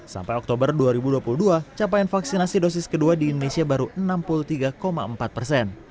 sampai oktober dua ribu dua puluh dua capaian vaksinasi dosis kedua di indonesia baru enam puluh tiga empat persen